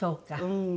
うん。